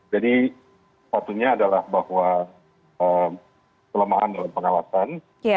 jadi satunya adalah bahwa kelemahan dalam pengawasan